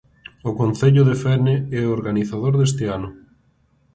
O Concello de Fene é o organizador deste ano.